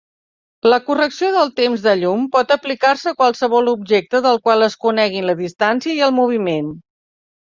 La correcció del temps de llum pot aplicar-se a qualsevol objecte del qual es coneguin la distància i moviment.